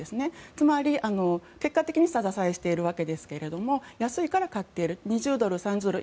つまり、結果的に下支えしているわけですが安いから買っている２０ドル、３０ドル